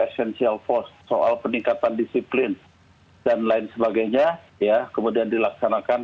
jenderal andika perkasa